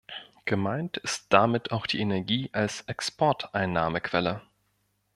Gemeint ist damit auch die Energie als Exporteinnahmequelle.